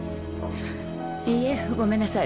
いいえごめんなさい。